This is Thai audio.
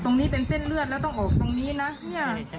ตรงนี้เป็นเส้นเลือดแล้วต้องออกตรงนี้นะเนี่ย